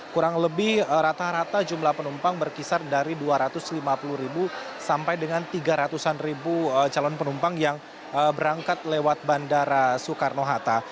kurang lebih rata rata jumlah penumpang berkisar dari dua ratus lima puluh sampai dengan tiga ratus an calon penumpang yang berangkat lewat bandara soekarno hatta